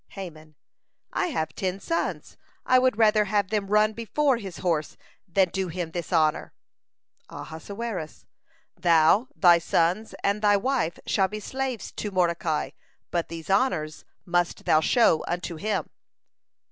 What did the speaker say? Haman: "I have ten sons. I would rather have them run before his horse than do him this honor." Ahasuerus: "Thou, thy sons, and thy wife shall be slaves to Mordecai, but these honors must thou show unto him."